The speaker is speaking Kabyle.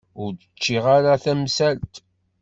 Ur d-ččiɣ ara tamsalt.